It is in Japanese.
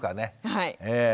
はい。